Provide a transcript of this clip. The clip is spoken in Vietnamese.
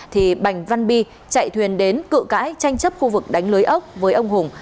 thì bành văn bi chạy thuyền đến cự cãi tranh chấp khu vực đánh lưới ốc với ông hùng